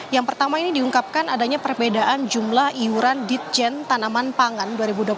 yang pertama ini diungkapkan adanya perbedaan jumlah iuran ditjen tanaman pangan dua ribu dua puluh satu